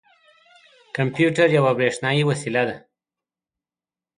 کمپیوټر یوه بریښنايې وسیله ده.